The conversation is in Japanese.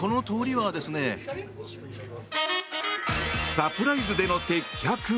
サプライズでの接客？